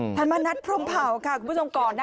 ธรรมนัฐพรมเผาค่ะคุณผู้ชมก่อนนะ